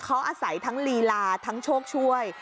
ห้วยขวางเขาอาศัยทั้งลีลาทั้งโชคช่วย